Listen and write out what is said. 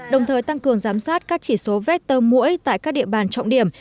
đồng thời tăng cường giám sát các chỉ số vector mũi tại các địa bàn trọng điểm